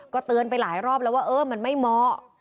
เตือนไปหลายรอบแล้วว่าเออมันไม่เหมาะ